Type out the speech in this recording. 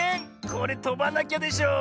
これとばなきゃでしょ。